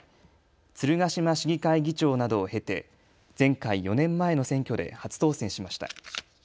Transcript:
鶴ヶ島市議会議長などを経て前回、４年前の選挙で初当選しました。